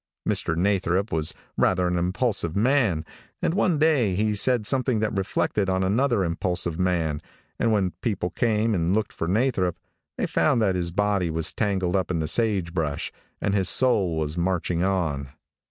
Mr. Nathrop was rather an impulsive man, and one day he said something that reflected on another impulsive man, and when people came and looked for Nathrop, they found that his body was tangled up in the sage brush, and his soul was marching on.